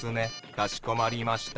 かしこまりました。